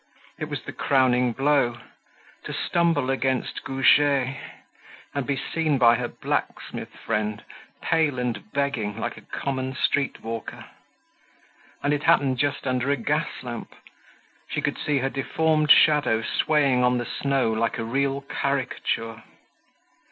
It was the crowning blow—to stumble against Goujet, and be seen by her blacksmith friend, pale and begging, like a common street walker. And it happened just under a gas lamp; she could see her deformed shadow swaying on the snow like a real caricature.